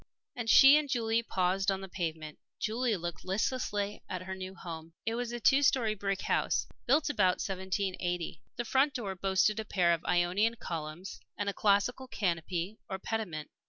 And as she and Julie paused on the pavement, Julie looked listlessly at her new home. It was a two storied brick house, built about 1780. The front door boasted a pair of Ionian columns and a classical canopy or pediment.